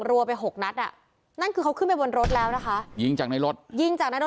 รัวไปหกนัดอ่ะนั่นคือเขาขึ้นไปบนรถแล้วนะคะยิงจากในรถยิงจากในรถ